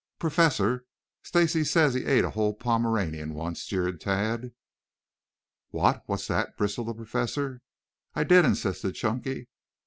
"Professor, Stacy says he ate a whole Pomeranian once," jeered Tad. "What, what's that?" bristled the Professor. "I did," insisted Chunky.